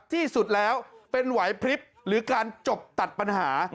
ที่สุดแล้วเป็นไหวพลิบหรือการจบตัดปัญหา